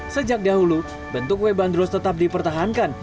sejak dahulu bentuk kue bandros tetap dipertahankan